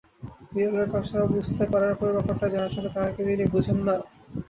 বিড়ালের কথা বুঝতে পারার পুরো ব্যাপারটা যে হাস্যকর তা কি তিনি বোঝেন না?